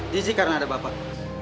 gizi karena ada bapak